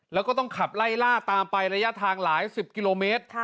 แล้วก็ต้องขับไล่ล่าตามไประยะทางหลายสิบกิโลเมตร